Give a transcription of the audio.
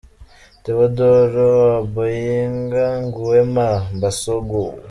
Teodoro Obiang Nguema Mbasogo –$.